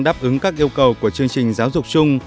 đáp ứng các yêu cầu của chương trình giáo dục chung